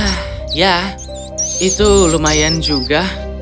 nah ya itu lumayan juga